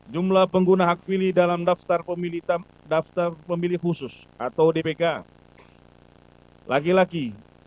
jumlah pengguna hak pilih dalam daftar pemilih deficiency khusus atau dptb laki laki dua empat puluh satu